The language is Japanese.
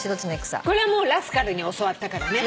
これはもうラスカルに教わったからね。